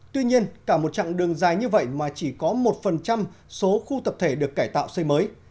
tuy nhiên cả một chặng đường dài như vậy mà chỉ có một số khu tập thể được cải tạo xây mới